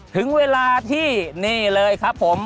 ถึงเวลาที่นี่เลยครับผม